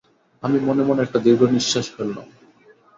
আমি মনে-মনে একটা দীর্ঘনিঃশ্বাস ফেললাম।